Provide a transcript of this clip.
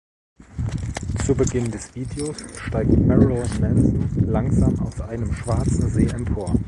Zu Beginn des Videos steigt Marilyn Manson langsam aus einem schwarzen See empor.